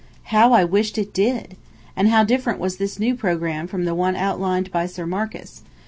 How I wished it did! And how different was this new programme from the one outlined by Sir Marcus.